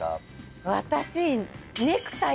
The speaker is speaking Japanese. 私。